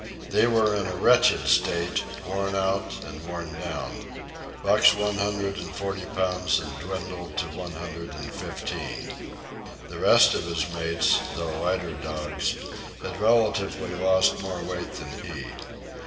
They were in a wretched state, worn out and worn down. Buck's one hundred and forty pounds had dwindled to one hundred and fifteen. The rest of his mates, though lighter dogs, had relatively lost more weight than he.